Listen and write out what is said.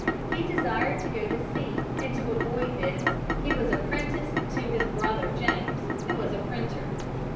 He desired to go to sea, and to avoid this he was apprenticed to his brother James, who was a printer.